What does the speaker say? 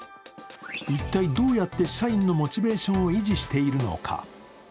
一体どうやって社員のモチベーションを維持しているのか。